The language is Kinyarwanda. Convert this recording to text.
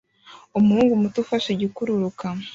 Umuhungu muto ufashe igikururuka